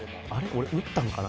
俺打ったんかな？